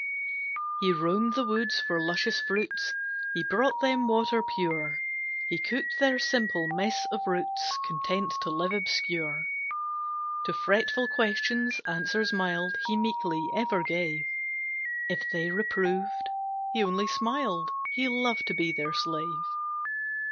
He roamed the woods for luscious fruits, He brought them water pure, He cooked their simple mess of roots, Content to live obscure. To fretful questions, answers mild He meekly ever gave, If they reproved, he only smiled, He loved to be their slave.